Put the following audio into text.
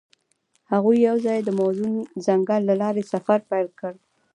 هغوی یوځای د موزون ځنګل له لارې سفر پیل کړ.